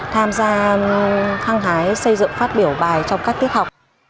tham gia hăng hái xây dựng phát biểu bài trong các tiết học